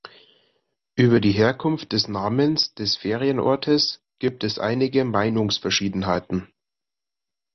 Über die Herkunft des Namens des Ferienortes gibt es einige Meinungsverschiedenheiten.